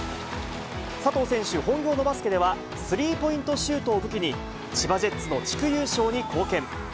佐藤選手、本業のバスケでは、スリーポイントシュートを武器に、千葉ジェッツの地区優勝に貢献。